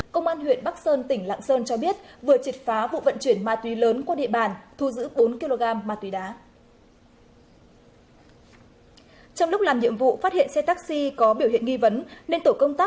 công an huyện bắc sơn tỉnh lạng sơn cho biết vừa triệt phá vụ vận chuyển ma túy lớn qua địa bàn thu giữ bốn kg ma túy đá